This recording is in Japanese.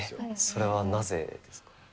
それはなぜですか。